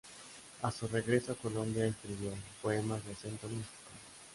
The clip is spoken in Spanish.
A su regreso a Colombia escribió poemas de acento místico.